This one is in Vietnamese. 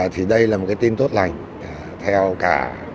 thì đây là một cái tin tốt lành theo cả